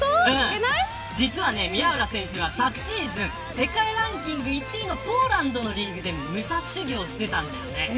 実は、宮浦選手は昨シーズン世界ランキング１位のポーランドのリーグで武者修行していたんだよね。